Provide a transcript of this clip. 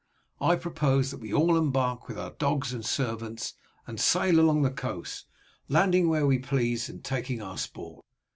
I propose that we all embark with our dogs and servants, and sail along the coast, landing where we please and taking our sport.